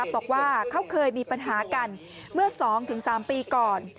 บอกว่าเค้าเคยมีปัญหากันเมื่อสองถึงสามปีก่อน